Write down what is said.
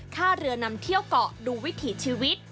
ค่าเรือนำเที่ยวเกาะดูวิถีชีวิต